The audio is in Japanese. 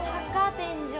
天井。